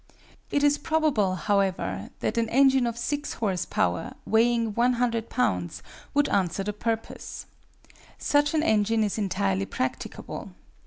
It is probable, however, that an engine of six horse power, weighing 100 lbs., would answer the purpose. Such an engine is entirely practicable.